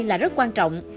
là rất quan trọng